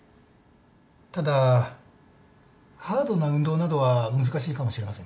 ただハードな運動などは難しいかもしれませんね。